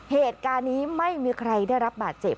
เหตุการณ์นี้ไม่มีใครได้รับบาดเจ็บ